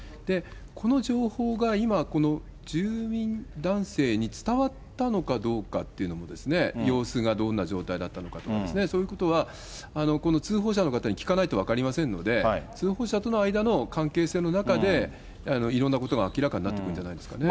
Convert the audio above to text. この情報が今、この住民男性に伝わったのかどうかというのも、様子がどんな状態だったのかとかですね、そういうことはこの通報者の方に聞かないと分かりませんので、通報者との間の関係性の中で、いろんなことが明らかになってくるんじゃないですかね。